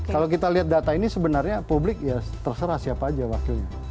kalau kita lihat data ini sebenarnya publik ya terserah siapa aja wakilnya